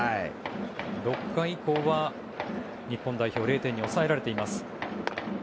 ６回以降は日本代表０点に抑えられています。